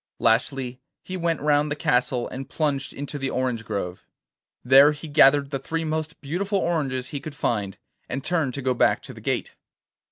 Lastly he went round the castle, and plunged into the orange grove. There he gathered the three most beautiful oranges he could find, and turned to go back to the gate.